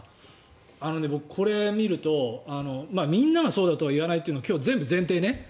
僕これを見るとみんながそうだとは言わないというのが、今日は全部前提ね。